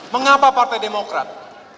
mengapa partai demokrat